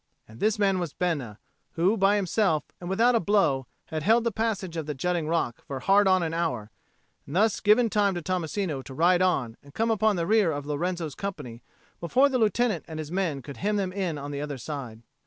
And this man was Bena, who, by himself and without a blow, had held the passage of the jutting rock for hard on an hour, and thus given time to Tommasino to ride on and come upon the rear of Lorenzo's company before the Lieutenant and his men could hem them in on the other side.